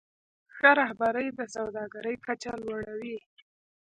ښه رهبري د سوداګرۍ کچه لوړوي.